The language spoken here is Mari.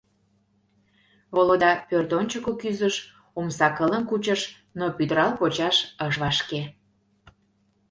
Володя пӧртӧнчыкӧ кӱзыш, омса кылым кучыш, но пӱтырал почаш ыш вашке.